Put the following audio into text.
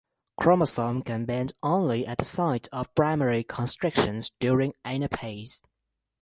Chromosome can bend only at the site of primary constriction during Anaphase.